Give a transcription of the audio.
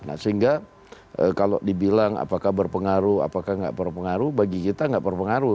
nah sehingga kalau dibilang apakah berpengaruh apakah nggak berpengaruh bagi kita nggak berpengaruh